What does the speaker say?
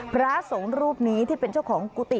พระสงฆ์รูปนี้ที่เป็นเจ้าของกุฏิ